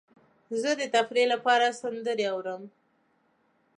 زه د تفریح لپاره سندرې اورم.